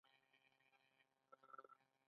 آیا پښتون په میړانه نه جنګیږي؟